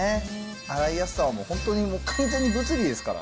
洗いやすさはもう本当に、完全に物理ですから。